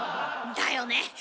だよね。